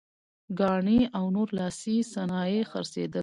ګاڼې او نور لاسي صنایع یې خرڅېدل.